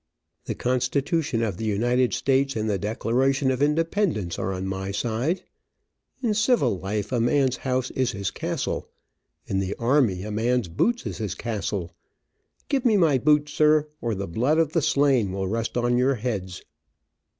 The constitution of the United States and the Declaration of Independence, are on my side. In civil life a man's house is his castle. In the army a man's boots is his castle. Give me my boots, sir, or the blood of the slain will rest on your heads."